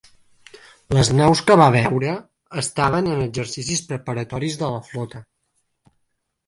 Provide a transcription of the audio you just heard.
Les naus que va veure estaven en exercicis preparatoris de la flota.